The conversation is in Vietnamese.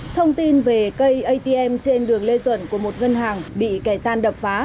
thông tin về cây atm trên đường lê duẩn của một ngân hàng bị kẻ gian đập phá